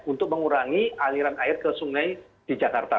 untuk mengurangi aliran air ke sungai di jakarta